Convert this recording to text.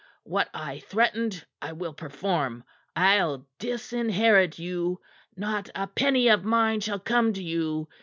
What I threatened, I will perform. I'll disinherit you. Not a penny of mine shall come to you.